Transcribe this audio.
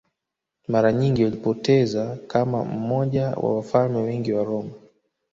Mara nyingi walipoteza kama mmoja wa wafalme wengi wa Roma